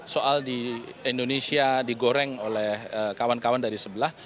soal di indonesia digoreng oleh kawan kawan dari sebelah